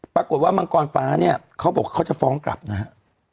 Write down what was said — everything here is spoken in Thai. ปรากฏว่ามังกรฟ้าเนี่ยเขาบอกเขาจะฟ้องกลับนะฮะ